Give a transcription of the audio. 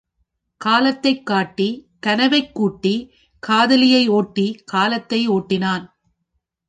காலத்தைக் காட்டி, கனவைக் கூட்டி, காதலியை ஓட்டி, காலத்தை ஓட்டினான்.